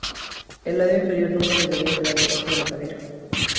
El lado inferior nunca debería quedar debajo de la cadera.